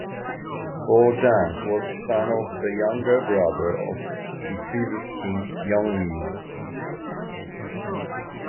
Bojang was son of the younger brother of the previous king Yeongnyu.